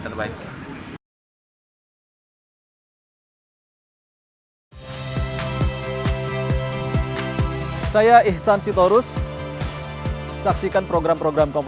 selalu siap apabila diturunkan bermain